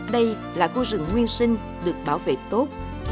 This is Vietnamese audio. đây là khu rừng nguyên sinh được bảo vệ tốt